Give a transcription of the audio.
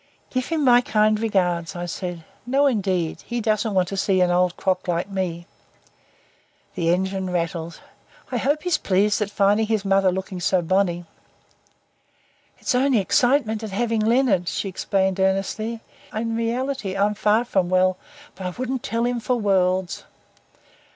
"Give him my kind regards," said I. "No, indeed. He doesn't want to see an old crock like me." The engine rattled. "I hope he's pleased at finding his mother looking so bonny." "It's only excitement at having Leonard," she explained earnestly. "In reality I'm far from well. But I wouldn't tell him for worlds."